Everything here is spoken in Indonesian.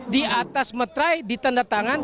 di atas metrai di tanda tangan